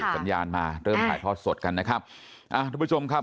สัญญาณมาเริ่มถ่ายทอดสดกันนะครับอ่าทุกผู้ชมครับ